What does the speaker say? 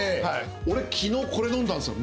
俺昨日これ飲んだんすよ。